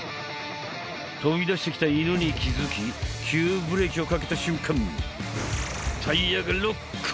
飛び出してきた犬に気づき急ブレーキをかけた瞬間タイヤがロック！